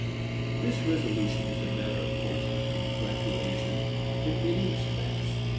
This resolution is a matter of hope and gratulation in many respects.